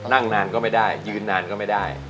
นั่งนานก็ไม่ได้ยืนนานก็ไม่ได้